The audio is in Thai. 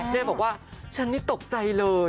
แม่บอกว่าฉันนี่ตกใจเลย